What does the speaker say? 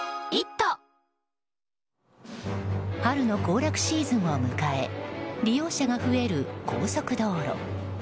春の行楽シーズンを迎え利用者が増える高速道路。